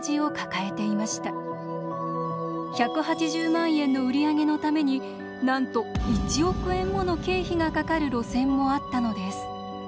１８０万円の売り上げのためになんと１億円もの経費がかかる路線もあったのです。